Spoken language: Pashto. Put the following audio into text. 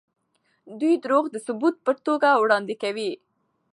دوی دروغ د ثبوت په توګه وړاندې کوي.